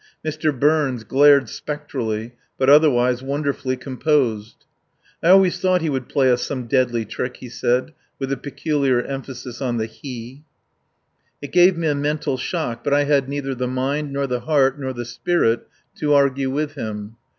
Mr. Burns glared spectrally, but otherwise was wonderfully composed. "I always thought he would play us some deadly trick," he said, with a peculiar emphasis on the he. It gave me a mental shock, but I had neither the mind, nor the heart, nor the spirit to argue with him.